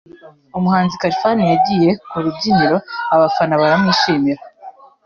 umuhanzi Khalfan yagiye ku rubyiniro abafana baramwishimira